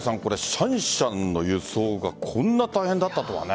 シャンシャンの輸送がこんなに大変だったとはね。